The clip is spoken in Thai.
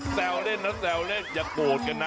แซวเล่นนะแซวเล่นอย่าโกรธกันนะ